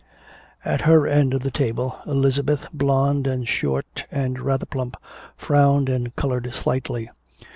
At her end of the table, Elizabeth, blonde and short and rather plump, frowned and colored slightly.